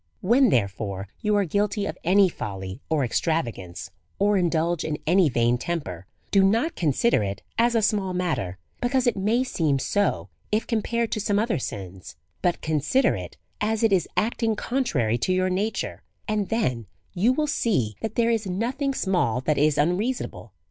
When, therefore, you are guilty of any folly or ex travagance, or indulge in any vain temper, do not consider it as a small matter, because it may seem so if compared to some other sins ; but consider it as it is acting contrary to your nature, and then you will see that there is nothing small that is unreasonable.